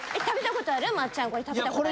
これ食べたことある？